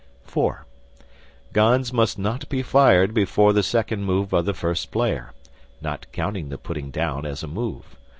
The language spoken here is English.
(4) Guns must not be fired before the second move of the first player not counting the "putting down" as a move.